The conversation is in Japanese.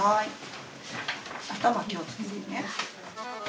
頭気をつけてね。